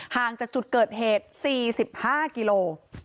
ห่างจากจุดเกิดเหตุ๔๕กิโล